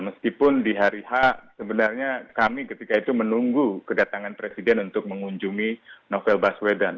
meskipun di hari h sebenarnya kami ketika itu menunggu kedatangan presiden untuk mengunjungi novel baswedan